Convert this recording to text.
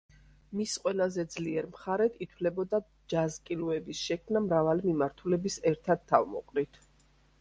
მის ყველაზე ძლიერ მხარედ ითვლებოდა ჯაზ კილოების შექმნა მრავალი მიმართულების ერთად თავმოყრით.